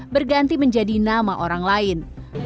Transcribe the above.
berganti menjadi nama orang lain